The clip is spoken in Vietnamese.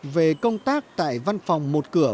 về công tác tại văn phòng một cửa